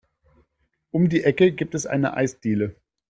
Um die Ecke gibt es eine Eisdiele.